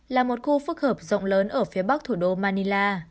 là một khu phức hợp rộng lớn ở phía bắc thủ đô manila